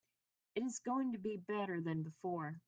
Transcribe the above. It is going to be better than before.